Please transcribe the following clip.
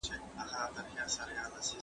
سفیران چیري د ازادي سوداګرۍ خبري کوي؟